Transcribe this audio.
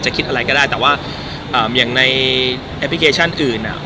คิดอะไรก็ได้แต่ว่าอย่างในแอปพลิเคชันอื่นอ่ะ